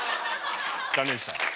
残念でした。